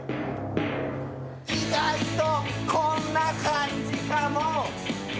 意外とこんな感じかも。